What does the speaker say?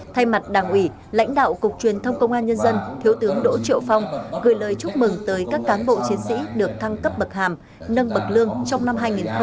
thay mặt đảng ủy lãnh đạo cục truyền thông công an nhân dân thiếu tướng đỗ triệu phong gửi lời chúc mừng tới các cán bộ chiến sĩ được thăng cấp bậc hàm nâng bậc lương trong năm hai nghìn hai mươi ba